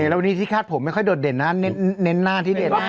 แล้ววันนี้ที่คาดผมไม่ค่อยโดดเด่นนะเน้นหน้าที่เด่น